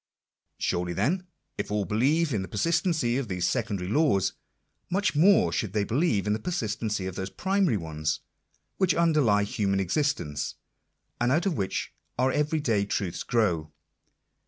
Surely, then, if all believe in the persistency of these se I condary laws, much more should they believe in the persistency of those primary ones, which underlie human existence, and out of which our every day truths grow.